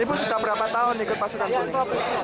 ibu sudah berapa tahun ikut pasukan bus